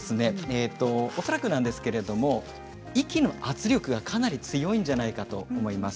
恐らくなんですが息の圧力がかなり強いんじゃないかと思います。